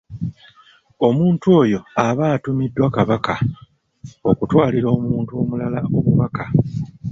Omuntu oyo aba atumiddwa Kabaka okutwalira omuntu omulala obubaka.